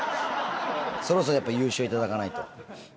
そろそろやっぱり優勝頂かないと。